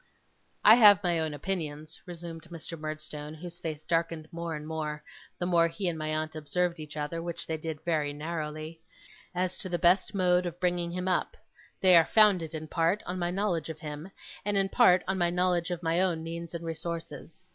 'I have my own opinions,' resumed Mr. Murdstone, whose face darkened more and more, the more he and my aunt observed each other, which they did very narrowly, 'as to the best mode of bringing him up; they are founded, in part, on my knowledge of him, and in part on my knowledge of my own means and resources.